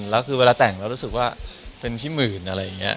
แล้วคือเวลาแต่งแล้วรู้สึกว่าเป็นพี่หมื่นอะไรอย่างนี้